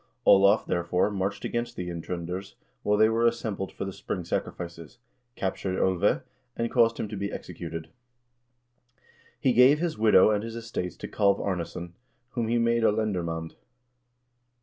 Olav, therefore, marched against the Indtr0nders while they were assembled for the spring sacrifices, captured 01ve, and caused him to be executed. He gave his widow and his estates to Kalv Arnesson, whom he made a lender mand.